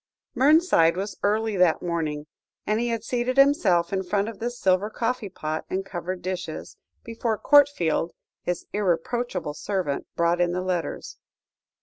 Mernside was early that morning, and he had seated himself in front of the silver coffee pot and covered dishes, before Courtfield, his irreproachable servant, brought in the letters.